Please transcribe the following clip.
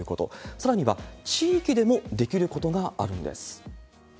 さらには地域でもできることがあるんです。